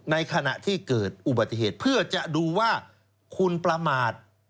ในขณะที่เกิดอุบัติเหตุเพื่อจะดูว่าคุณประมาท